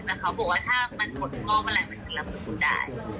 แต่เขาบอกว่าถ้ามันหมดหม้อมันไหลมันจะระเบิดได้